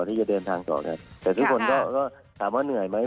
ที่จะเดินทางต่อกันแต่ทุกคนก็ถามว่าเหนื่อยไหม